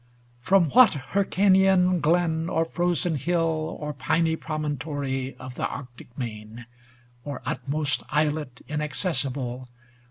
VIII From what Hyrcanian glen or frozen hill. Or piny promontory of the Arctic main, Or utmost islet inaccessible.